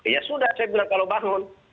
ya sudah saya bilang kalau bangun